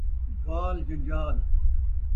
وال جن٘جال